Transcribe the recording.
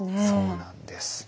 そうなんです。